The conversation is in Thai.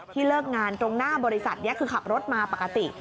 เลิกงานตรงหน้าบริษัทนี้คือขับรถมาปกติ